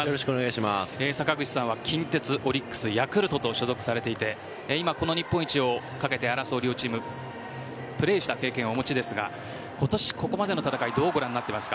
坂口さんは近鉄、オリックス、ヤクルトと所属されていて今、この日本一をかけて争う両チームでプレーした経験をお持ちですが今年ここまでの戦い